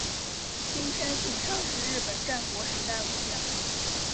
青山信昌是日本战国时代武将。